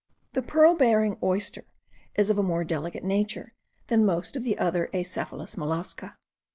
The pearl bearing oyster is of a more delicate nature than most of the other acephalous mollusca.